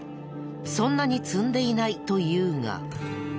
「そんなに積んでいない」と言うが。